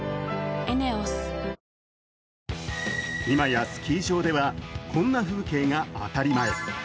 今やスキー場では、こんな風景が当たり前。